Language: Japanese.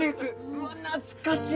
うわ懐かしい！